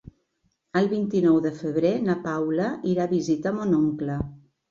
El vint-i-nou de febrer na Paula irà a visitar mon oncle.